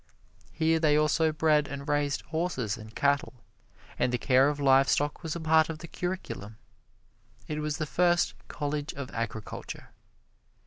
Here they also bred and raised horses and cattle, and the care of livestock was a part of the curriculum. It was the first College of Agriculture.